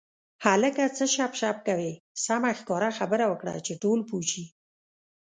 هلکه څه شپ شپ کوې سمه ښکاره خبره وکړه چې ټول پوه شي.